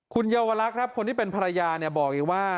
คุณเยาวลักษณ์ครับคนที่เป็นภรรยาบอกอีกว่า